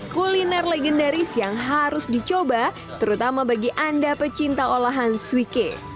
kuliner legendaris yang harus dicoba terutama bagi anda pecinta olahan suike